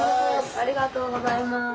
ありがとうございます。